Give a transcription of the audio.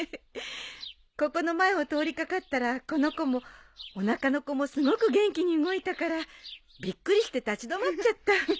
ここの前を通り掛かったらこの子もおなかの子もすごく元気に動いたからびっくりして立ち止まっちゃった。